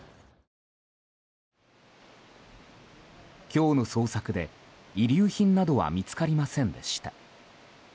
今日の捜索で遺留品などは見つかりませんでした。